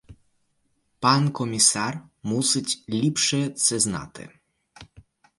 Пан комісар мусить ліпше це знати!